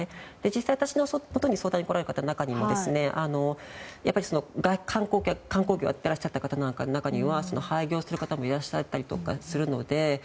実際、私のもとに相談来られた中にはやっぱり観光業をやっていらした方の中には廃業する方もいらっしゃったりするので。